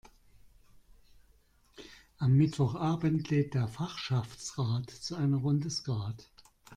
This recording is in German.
Am Mittwochabend lädt der Fachschaftsrat zu einer Runde Skat.